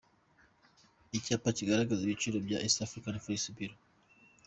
Icyapa kigaragaza ibiciro bya East Africa Forex Bureau.